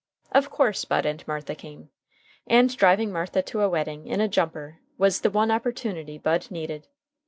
Of course Bud and Martha came. And driving Martha to a wedding in a "jumper" was the one opportunity Bud needed.